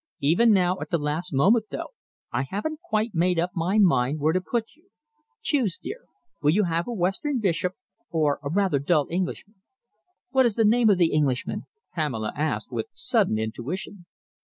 Even now, at the last moment, though, I haven't quite made up my mind where to put you. Choose, dear. Will you have a Western bishop or a rather dull Englishman?" "What is the name of the Englishman?" Pamela asked, with sudden intuition.